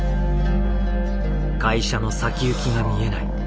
会社の先行きが見えない。